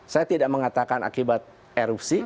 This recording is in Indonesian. saya tidak mengatakan akibat erupsi